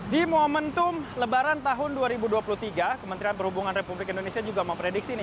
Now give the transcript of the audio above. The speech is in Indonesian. di momentum lebaran tahun dua ribu dua puluh tiga kementerian perhubungan republik indonesia juga memprediksi ini